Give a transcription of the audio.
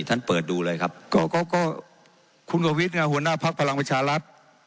ท่านเปิดดูเลยครับ